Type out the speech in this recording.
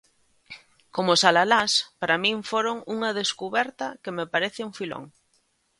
Como os alalás, para min foron unha descuberta que me parece un filón.